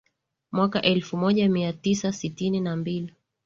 mwaka elfu moja mia tisa sitini na mbili